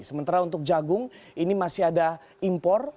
sementara untuk jagung ini masih ada impor